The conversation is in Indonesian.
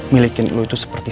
milikin lo itu seperti